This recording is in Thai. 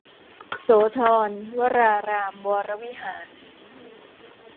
โสธรวรารามวรวิหาร